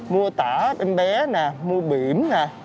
mua tả bánh bé nè mua biểm nè